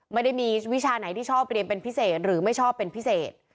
ไม่ได้มีวิชาไหนที่ชอบเรียนเป็นพิเศษหรือไม่ชอบเป็นพิเศษ